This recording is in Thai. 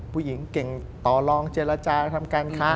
ผู้หญิงเก่งต่อลองเจรจาทำการค้า